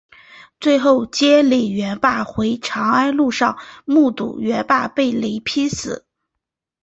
最后接李元霸回长安路上目睹元霸被雷劈死。